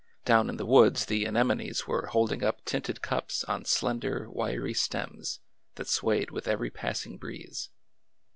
Down in the woods the anemones were holding up tinted cups on slender, wiry stems that swayed with every passing breeze.